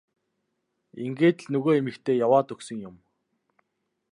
Ингээд л нөгөө эмэгтэй яваад өгсөн юм.